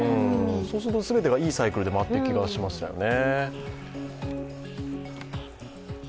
そうすると全てがいいサイクルで回っていく気がしましたよね。